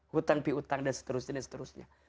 hutang pihutang dan seterusnya